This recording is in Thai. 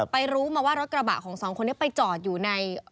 รู้มาว่ารถกระบะของสองคนนี้ไปจอดอยู่ใน